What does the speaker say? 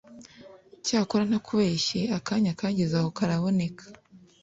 cyokora ntakubeshye akanya kagezaho karaboneka